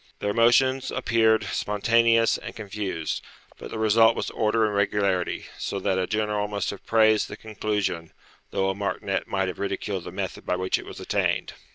Their motions appeared spontaneous and confused, but the result was order and regularity; so that a general must have praised the conclusion, though a martinet might have ridiculed the method by which it was attained.